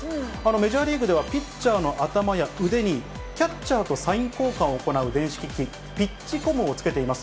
メジャーリーグではピッチャーの頭や腕に、キャッチャーとサイン交換を行う電子機器、ピッチコムをつけています。